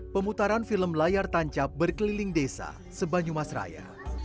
pemutaran film layar tancap berkeliling desa sebanju mas raya